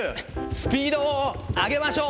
スピードを上げましょう。